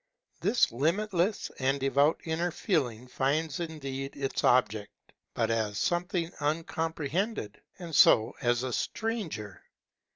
This limitless and devout inner Feeling finds indeed its object, but as something uncom prehended, and so as a stranger.